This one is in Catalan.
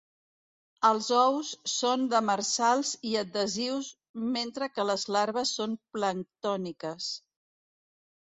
Els ous són demersals i adhesius mentre que les larves són planctòniques.